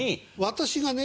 私がね